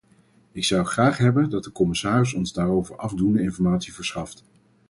Ik zou graag hebben dat de commissaris ons daarover afdoende informatie verschaft.